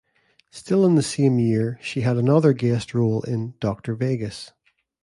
Still in the same year, she had another guest role in "Doctor Vegas".